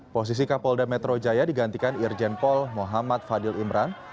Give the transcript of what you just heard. posisi kapolda metro jaya digantikan irjen pol muhammad fadil imran